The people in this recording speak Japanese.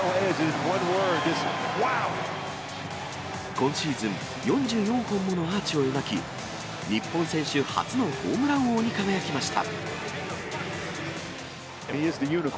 今シーズン、４４本ものアーチを描き、日本選手初のホームラン王に輝きました。